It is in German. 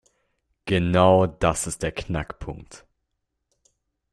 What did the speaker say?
Genau das ist der Knackpunkt.